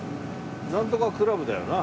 なんとかクラブだよな？